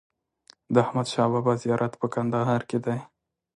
د احمد شا بابا زیارت په کندهار کی دی